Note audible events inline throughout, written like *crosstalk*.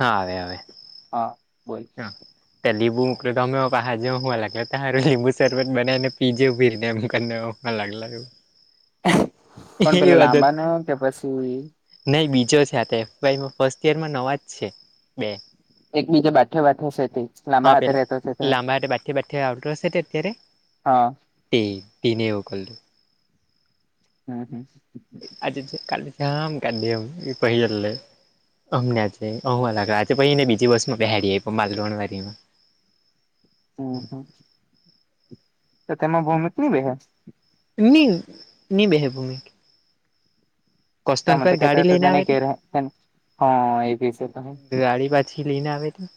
હા અવે. હા બોલ ત્યા લીંબુ મ ઉપ તોમે પાહાજ હોુંવા લાગે ત્યા હારુ લીંબુ સ સરબત બનાને પીજે ઉભરનેમ કરને. મ લાગલા એું. કોણ પેલા લાંબાને કે પછી. નહી બીજો છે આ તો એફ ફસ્ટ યર માં નવા જ છે બે. એકબીજા બાઠ્યો છે લાંબા હા હાથે પેલા રહેતો છે તો. લાંબા હાથે બાથે બાથે હા. એ બનેવગું. હમ હમ. આજે કાલે જામ કડેમ પહેલલે. અમનેં અ લાગ આજે પને બીજી બસમાં પહેરીડી આવી બાદણ વાડીમાં. હમ હ તો તેમાં ભૌમિક નની બે. ની ની બેહે ભૂમ. તમે તો કે ગાડી લઈને આવે રને તે ઘરેને હ એ છે. ગવાળડી પાછી લઈને આવે ત.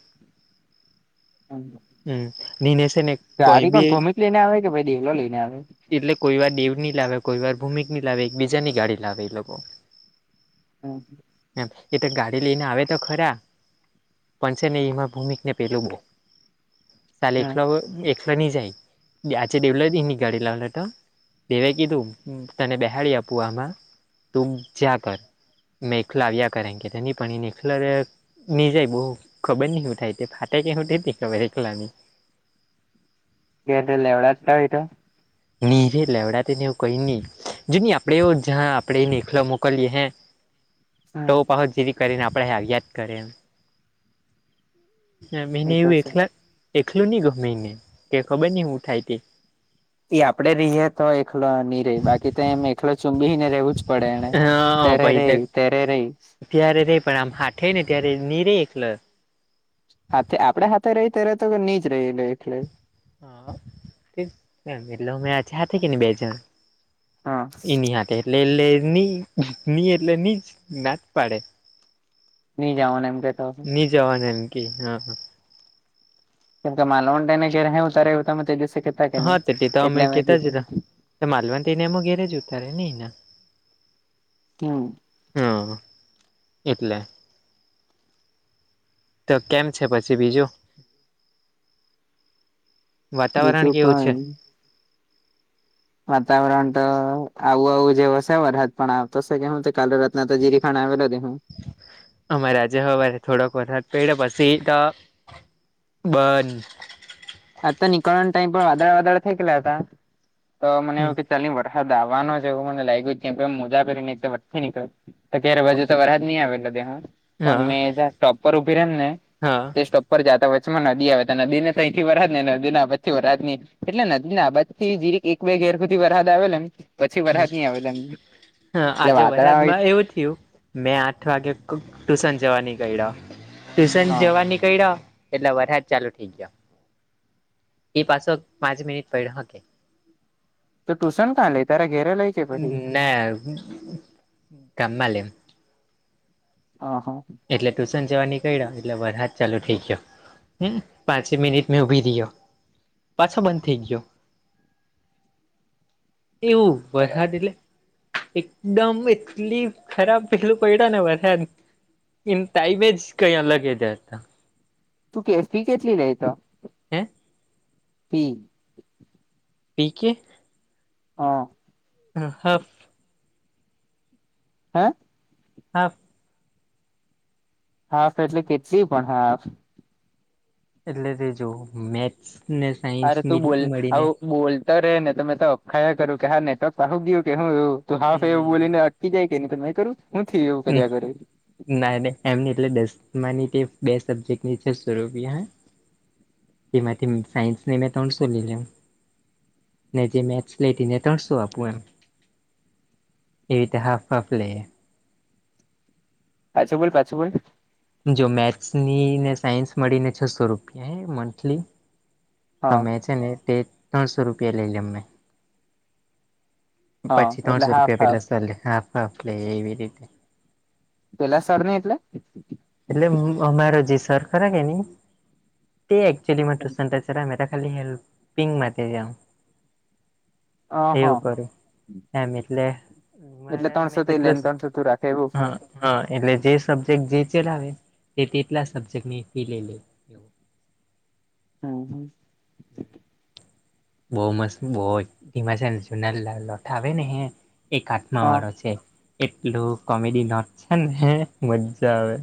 હમ. હમ નિને છેને. સારી કોણ ભોમિક લઈને આવે કે ભાઈ દેવલો લઈને આવે. એટલે કોઈ વાર દેવની લાવે કોઈ વાર ભૂમિકની લાવે એકબીજા ની ગાડી લાવે એ લોકો. હમ. એમ એ તો ગાડી લઈને આવે તો ખરા પણસે એમાં ભૂમિક ને પેલું બહ સાાલ હમ એખલા એખલાની જાય આજે દેવલા. ગાડી લાવહે તો દેવે કીધું તને બેહાડી આપુ આ તું જ્યા કર મેખ લાવ્યા કરે કે તેની પણ એખલા નિજાય બહુ ખબર નિ હુંથાય એ તે ફાટે કેહું ટે જ ની ખબર એખલા ને કે ટે લેવળા કા જ હોય તો ની રે લેવડા તે ને એવું કઈ નહી જો નહી આપડે જ્યા આપે એકખલા મોકલીએ હે તો હમ પાછો જેવી કરીને આપડે આવીયા જ કરે હા, મહિને એ તો એવું છે એકલા એકલું નહી ગ મહિને કે ખબર નઈ હું થાય, ઈ આપડે રહીએ, તો એકલો બાકી તો એમ એકલો ચુંબીને રહેવું જ પડે એને હ ત્યારે રેય ત્યારે રેય ત્યારે રે પણ આમ હાથેે ને ત્યારે ની રે એકલો. હાથે આપડે હાથે રહી ત્યારે તો નીજ રહે *inaudible* એ *inaudible* હા એટલે અમે હાથે કે બેજ હા એની હાથે એટલે એટલે ની ની એટલે ની જ ના જ પાડે. ની જાવાના એમ કેતો હશે, જવા દે એમ કેઈ તો, કે માલવને *inaudible* કે ઉતારે ઉ હા, તે તો અમે કેતા જ હતા માલવન તેને એમ ઘેરે જ ઉતારે ને *inaudible* હા, એટલે તો કેમ છે, પછી બીજું? વાતાવરણ બીજું કેવું છે? કઈ વાતાવરણ તો આવું આવું જેવો છે, વરસાદ પણ આવતો સે કે હું કાલે રાતના તો જીરીખાણ આવેલો દે હુ અમારે આજે હવારે થોડોક વરસાદ પડ્યો પછી તો, બંધ આજ તો નીકળવાના ટાઈમ પર વાદળા વાદળા થઈ ગયલા હતા, તો મને એવું કે ચા હા, દાવાનો છે એવું મને લાગ્યું કેમ કે મોજા પહેરી ને વટ થી નીકળ તો કયારે હજી તો વરસાદ ની આવે તો દેહુ પણ મે હા જ્યાં સ્ટોપ પર ઉભી રેમ ને હા તે સ્ટોપ પર જાતા વચમાં નદી આવે તે નદી ને થઈ, વરસાદ ને નદી આબાજ થી વરાદની એટલે નદી ની આ બાજ થી જીરીક એક બે ઘેર સુધી વરસાદ આવે ને પછી વરસાદ હા ની આવે, ત્યાં એટલે આજે વાદળા વરસાદમાં એવું થીયું. મેં આઠ વાગે ટ્યુશન જવા નીકળ્યો ટ્યુશન હા જવા, એટલે વરસાદ ચાલુ થ ઈ ગયો. એ પાછો પાંચ મિનિટ પડ્યો હકે તો ટુશન કાં લે તારા ઘેરે લઇએ ને ગામમાં લેશે. હા હા એટલે ટ્યુશન જવા નીકળ્યા એટલે વરસાદ ચાલુ થઈ ગયો. હમ્મ પાંચે મિનિટ મેં ઉભી રહયો પાછો બંધ થઈ ગયો. એવું બરાબર વરસાદ એટલેે એકદમ એટલી ખરાબ પહેલું પડ્યો ને વરસાદ ન ટાઈમે એજ કઈ અલગ તું કેફી કેટલી લઇએ તો. હે પી પી કે હા *unintelligible* હે હાફ. હાફ એટલે કેટલી પણ હાફ. એટલે તે જો મેથને. અરે તું બોલ બોલ. તો રે ને તમે તો અખાયા કરું કે હા નેટ પહું ગયું કે હું એવું તું હાવું બોલીને. કી જાય કે ન કરું હું થી એવું કર્યા કર. ના ન એમ એટલે દસ ની બે સબ્જેક્ટની છે સ્વરૂપી હ. કેમાં સયન્સ નનેમે તડું સોલી લમ. ને જે મે્સ લેતી ને ત્રણસો આપું એમ. એવીતે હાફફલેે. પાછું બોલ પાછું બોલ. જો મેથ્સ ની ને સાયન્સ મળીને છસો રૂપિયા હ મંથલી. હા તમે છે ને તે ત્રણસો રૂપિયા લઈ લમને. હા પછી એટલે ત્રણસો હાફ રૂપિયા હાફ પેલા સે હાફ હાફ લે એવી રીતે. પેલા સરર ન એટલે. એટલે અમારો જે સર ખરા કે તે એકચુલી ટુ. મેા ખાલી પિંક માથે જાઉ અ હ એવું કરું. એમટલે. એટલે ત્રણસો થી લઈ ને તણસો તું રાખે એવું. હા હા એટલે જે સબ્જેક્ટ જે ચલાવે તે તેટલા સબ્જેક્ટ ફી લઈ લે. એવું. હમ હમ. બહુ મસ્ત બહ ધીમાસા ને જુના લોઠાવ ને હે. એ કાઠમા હા વાળો છે એટલું કોમેડી નોટ છે ને મજ્જા આવે.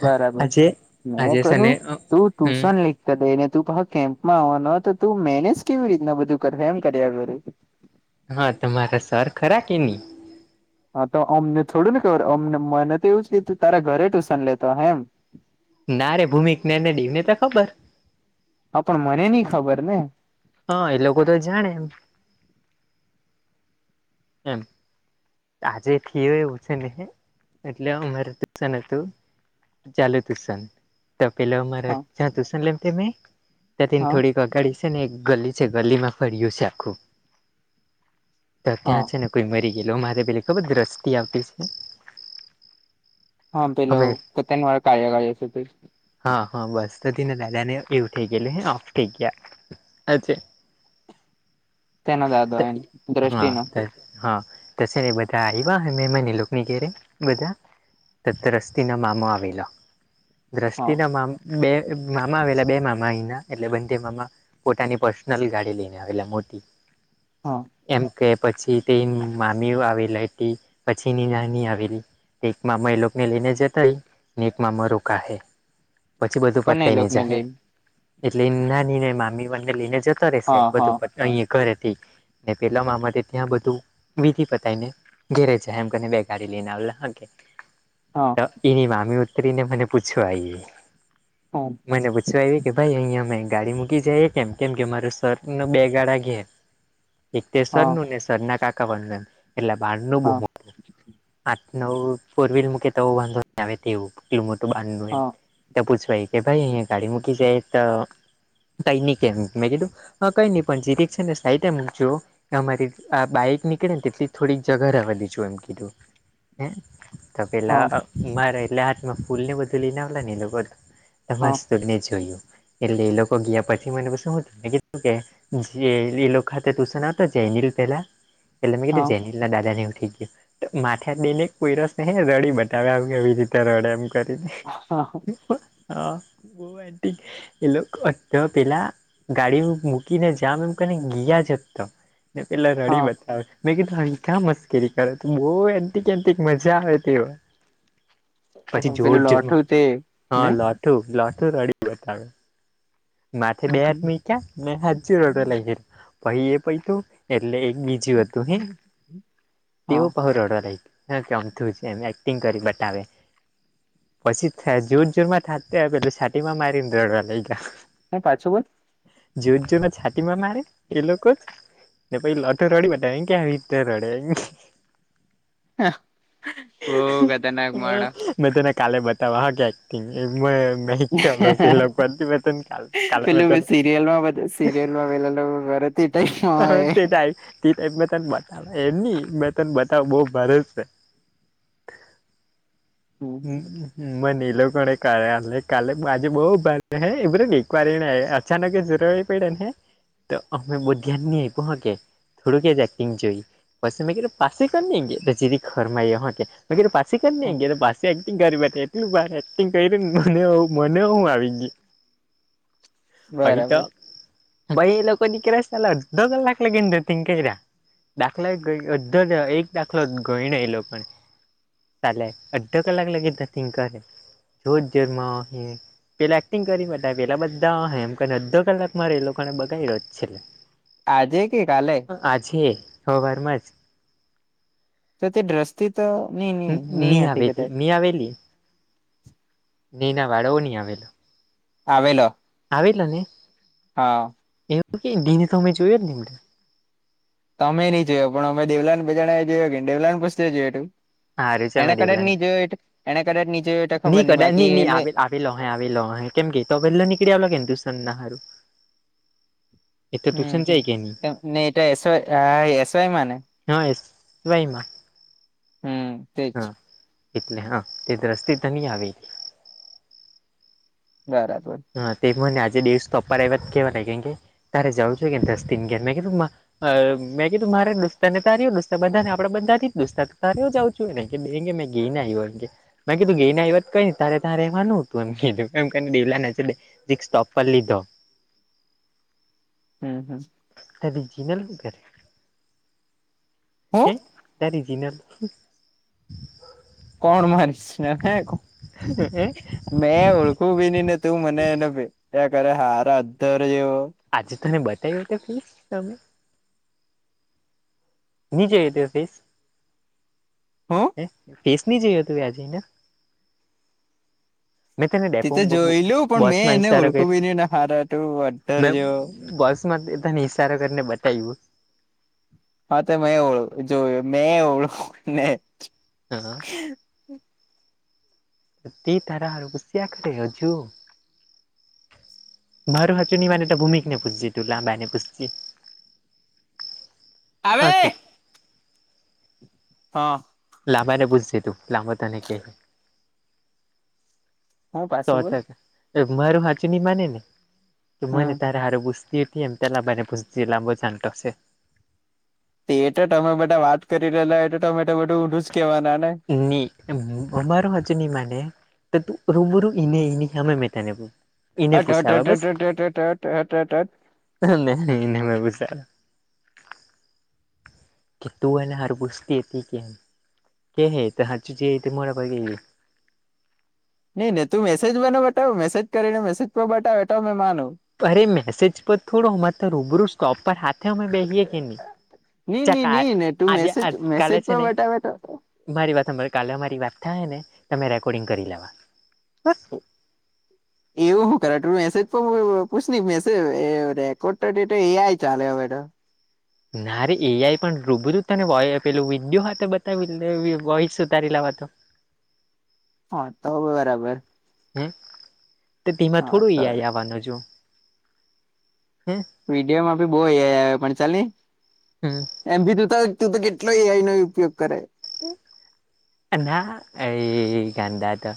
બરાબર આજે ન આજે છે કરું ને તું હમ ટુશન લ! લઈને તું પ કેમ્પમાં આવવાનો હો તો તું મેને જ કેવી રીતના બધું કર એમ કર્યા ઘર. હા તમારા સર ખરા કે નહી. હા તો અમને થોડું ને ખબર અમને મને તો એવું છે કે તું તારા ઘરે ટ્યુશન લેતો હેમ. નારે ભૂમિિકને ને દવને તો ખબર. હા પણ મને નહ ખબર ને. હા એ લોકો તો જાણે એમ. એમ. આજે થયો એવું છે ને એટલે અમાર દુસન હતું. ચાલુ તુશન તો પેલો મારા હા જ્યાં તુશન લેમ મેં. ને હા થોડીક અગાડી છે ને એક ગલી છે ગલીમાં ફરય્યું છે આખું. તો હા ત્યાં છે ને કોઈ મરી ગેલો મારે પેલી ખબર દ્રષ્ટિ આવતી છે. હા પેલો અમે કતની વાળ કાર્યગ છે. હા હા બસ તોને દાદા ને એવું થઈ ગયેલું હ ઓફ થઈ ગયા હ. *inaudible* નાદાદ એ દ્રષ્ટિનું. હા. સરલે બધા એબ હમે એમાની લોક નિની ઘેે બધા. ત દ્રષ્ટિના મામો આવેલો હા દ્રષ્ટિના મામ. બે મામા આવેલા બે મામા અહીના એટલે બંે મામા. પોતાની પર્સનલ ગાડી લઈને આવે મોટી. હા. એમ કે પછી તે મામી આવેલી હતી પછીની નાની આવેલી. મામ એ લોગને લઈને જતા હ એક મા મ ર કાહે. પછી બધું કોને એ પતાય ને લોકોને જાય લઈને એટલે નાની ને મામી મને લઈને જતો. તરે છે હા હા બધું અહીંયા કરેથી ને પેલા મામા ત્યાં બધું. વિધિ પતાવીને ઘેરે જ એમ કરીને બે ગાડી લઈને આવલા હા કે. હા તો એની મામી ઉતરીને મને પૂછવા આવી હા મને પૂછવા આયવી કે ભાઈ અહીયાં અમે ગાડી મૂકી જાઈએ કેમ-કેમ કે મારા સર નો બે ગાળા ઘે એક તે સરનું ને સરના કાકા વંદન એટલે બહારનું બહું. આઠ નવ ફોર વ્હીલ મૂકે તો વાંધો ન આવે તેવું, તેવું મોટું બાંધનું હે. તો પૂછવા આલી કે ભાઈ અહીયાં ગાડી મૂકી જઈએ તો, કાઈ નહી કહે એમ મેં કીધું હા કાઈ નહીં, પણ જીરીક છે ને સાઈટ એમ ચો, અમારી આ બાઈક નીકળે ને તેટલી થોડીક જગા રહેવા દેજો એમ કીધું, હે તો કહે લ મારે હાથમાં ફૂલ ને એ બધું લઈને આવલા ને *unintelligible* જોઈએ. એટલે ઈ લોકો ગયા પછી મને શું, મે કીધું કે જે ઈ લોક ખાતે ટુશન આવતા *unintelligible* પહેલા એટલે મે કીધું જેનીલ ના દાદા ને હવે ઠીક *unintelligible* તો માથે દે ને કોઈરસ નહીં રડી બતાવે, આવી-આવી રીતે રડે એમ કરીને. હા. *unintelligible* એ લોક અત પેલા ગાડી મૂકીને જાવ એમ કરીને ગયા જ હતો. એટલે રડી બત વે, મેં કીધું હંખા મસ્કરી કરે, તું બહુ *unintelligible* મજા આવે તેવો. પછી ઓહો, જો પેલું જજ, લોઠું તે હા ને લાઠું-લાઠું રડી બતાવે. માથે બે હમ. હાથ મૂક્યા, ને હાથ જોડવા લાગી, પહી એ પયતું એટલે એક દી જીવતું હે હા તેવો *unintelligible* હા કે અમથું છે ને એક્ટિંગ કરી બતાવે. પછી થે જોર-જોર માં થાતે પેલું છાતી માં મારીને રડવા લાયગા. *unintelligible* પાછું બોલ. જ્યો જન છાતીમાં મારે એ લોકો, ને પહીં રડ તો રડી બતાવે કે આવી રીતે રડાય. બો ખતરનાક માણહ *inaudible* મેં તને કાલે બતાવવા હ કે એક્ટિંગ મ કાલે મેં પેલું હવે તને સીરિયલમાં બત સિરિયલમાં પેલું *unintelligible* *unintelligible* તી ટાઈપમાં બતાવે નહી મે તન બતાવ બહું ભારે છે. હમ, હમ. હમ્મ. મ નીલો કોણે *unintelligible* કાલે માજી બહુ *unintelligible* એકવાર હે ને અચાનક જ રોઈ પડને હે તો અમે *unintelligible* થોડું કે જ એક્ટિંગ જોઈ, પસી મે કીધું પાસી કરને કે *unintelligible* પાછી કરને *unintelligible* પાછી એક્ટિંગ *unintelligible* એટલું ભારે એક્ટિંગ કરીને મને એવું મને રોહું આવી ગયું. પહી તો બરાબર પહી એ લોક દીકરા સાલા *unintelligible* ધતિંગ કયરા. દાખલા ગ અધર એક દાખલો ગયનો એ લોકોએ કાલે અડધો કલાક લગીન ધતિંગ કરે *unintelligible* પેલા એક્ટિંગ કરી બધાએ, પેલા બધા હેમ કરીને, અડધો કલાક મારે એ લોકોને બગાયડો જ છે. આજે કે કાલે? આજે હવાર માંજ. તો તે દ્રષ્ટી તો, ની-ની-ની હતી કદાચ. એ આવેલી ને એના વારોવ નહીં આવેલા. આવેલો. આવેલા ને? હા. એવું કે દિને મે જોયો જ નહીં *unintelligible* તમે નહીં જોયો, પણ અમે દેવલાને બેજારાએ જોયો કે દેવલાને પૂછ લેજે તું. હારું એને ચમે કદચ રેલા ની જોયો હોય તો, એને કદાચ ની જોય હોય તો ખબર નઈ, બાકી એનાય પેલો હે આવેલો હે કેમ કે તો પહેલો નીકળી આવલો કે ટ્યુસન ના હારું. એ તો હમ્મ ટ્યુશન જાય કે ની ને તો એસ વાય આ એસ વાય મા ને. હા એસ વાય માં. હમ્મ. હા એટલે હા તે દ્રષ્ટિ તની આવી. બરાબર. હા તે મને આજે દિવસ તો અપાર એવા જ કહેવાન કેમ કે તારે જવું જોઈ કે દસ દિનગયાર મેં કધું મા અ મેં કીધું મારે દુસ્તારને તરીયું દુસ્તાર બધાને આપડે બધા થી દુસ્તાર તરીયું જાઉં શું ના ને એમ કે બે મેં ગઈ ને આવ્યો એમ કે. મે કીધું ગઈ ને આવ્યા કઈને તારે ત્યાં રહેવાનું હતું એમ કીધું એમ કરી ને દેવલા ને *unintelligible* જીરિક સ્ટોફ લીધો. હમ્મ હામ. તારી જીનલ હું કરે હું હૈ? તારી જીનલ હું કોણ મારી જીનલ હે હે મેં ઓળખું બી ની ને તું તું મને ના પે એ કદ હાર અધર જેવો. આજે તમે બતાવ્યો *unintelligible* નથી તમે. ની જોઈતી હતી હું હે ફેસની જોયો તું આજે એનો. મેં તેને તે ડેપો તો બ બ જોયલું પણ મેં બસમાં એને ઇશારો ઓળખું કર્યો બી નહી ને હારા તું અધર મે જેવો બસ મા તને ઇશારો કરીને બતાવ્યો. હા તો મેં ઓળ જોયું મેં ઓળખું ને હાં હા. *inaudible* તે તારા હારુ પૂછ્યા કરે હજું. મારું હાચું ની માને તો ભૂમિક ને પૂછજે તું લાંબા ને પૂછજે હા કે આવે હા. લાંબા ને પૂછજે તું લાંબા તને કેહ. હું સો પાછું બોલ ટકા મારું હાચુ ની માને ને તો હમ મને તારે હારુ *unintelligible* કેમ દલાભાઈ ને પૂછજે લાંબો જાન તો છે. એ તો તમે બધા વાત કરી લેલા એ તો તમે બધું ઊડું જ કેવાના ને. ની અમારું હાચું નહિ માને. તો તું રુબરૂ ઈ ને એની સામે મેં તને પૂછું. *unintelligible* હા ને અને મે ભી સારો. કેતુ એને હારુ પૂછતી હતી એ કે કેહે તો હરચું જે તે મોઢા પર કહે. નઈ નને તું મેસેજ મને બતાવ મેસેજ કરીને મેસેજ પણ બતાવ તો મે માનું. અરે મેસેજ પર થોડો અમારે તો રૂબરૂ સ્ટોપ પર હા તો અમે બેહિયે કે નહીં ની ની ચકા ની ને તું આજે મેસેજ આજ મેસેજ કલે છે પર ને બતાવે તો મારી વાત સાંભળ કાલે આમારી વાત થાય ને તો રેકોર્ડિંગ કરી લેવા હા. એવું હું કરે તું મેસેજ પણ પૂછ ની મેસેજ રે રેકોર્ડ તે તો એ આઈ ચાલે હવે તો. ના રે એ આઈ પણ રૂબરૂ તને વોય પેલું વિડિયો હાથે બતાવી ને વી વોઇસ ઉતારી લેવાતો. હા તો હવે બરાબર. હમ્મ તો તેમાં હા થોડું તો અ આઈ આવવાનો જો. હે વિડીયોમાં ભી બો આ ઈ પણ ચાલની એમ ભી તું તો તું તો કેટલો એ આઈ નો ઉપયોગ કરે. ના એ ગાંધા તો